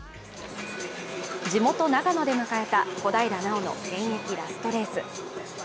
地元・長野で迎えた小平奈緒の現役ラストレース。